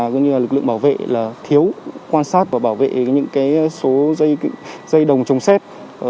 cũng như lực lượng bảo vệ là thiếu quan sát và bảo vệ những số dây đồng trồng xét